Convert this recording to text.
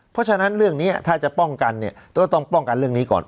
เพราะฉะนั้นเรื่องนี้ถ้าจะป้องกันเนี่ยก็ต้องป้องกันเรื่องนี้ก่อน